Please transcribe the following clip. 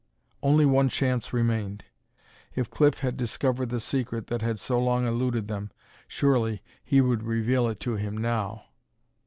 Only one chance remained. If Cliff had discovered the secret that had so long eluded them, surely he would reveal it to him now!